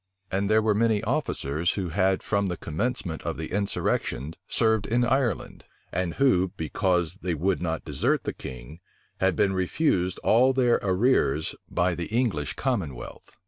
And there were many officers who had from the commencement of the insurrection served in Ireland, and who, because they would not desert the king, had been refused all their arrears by the English commonwealth.